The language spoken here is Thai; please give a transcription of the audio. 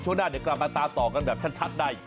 หน้าเดี๋ยวกลับมาตามต่อกันแบบชัดใน